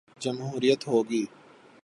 جمہوریت ہو گی۔